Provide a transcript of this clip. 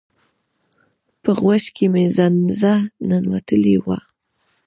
په غوږ کی می زنځه ننوتلی وه